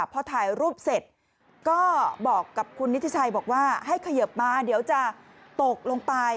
พอถ่ายรูปเสร็จก็บอกกับคุณนิทิชัยบอกว่าให้เขยิบมาเดี๋ยวจะตกลงไป